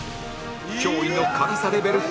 脅威の辛さレベル